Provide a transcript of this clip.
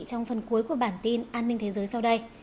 trong phần cuối của bản tin an ninh thế giới sau đây